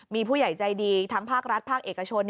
มีผู้ใหญ่ใจดีทั้งภาครัฐภาคเอกชน